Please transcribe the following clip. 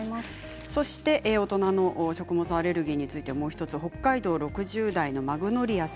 それから大人の食物アレルギーについてもう１つ北海道６０代の方です。